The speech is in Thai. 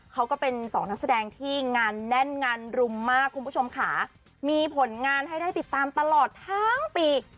ก็เป็นสองนักแสดงที่งานแน่นงานรุมมากคุณผู้ชมค่ะมีผลงานให้ได้ติดตามตลอดทั้งปี